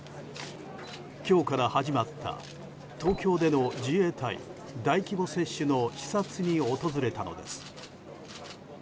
今日から始まった東京での自衛隊大規模接種の視察に訪れたのです。